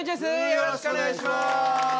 よろしくお願いします。